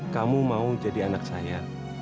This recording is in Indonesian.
kamu mau jadi anak saya